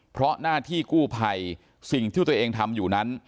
เพราะหน้าที่กู้ภัยสิ่งที่ตัวเองทำอยู่นั้น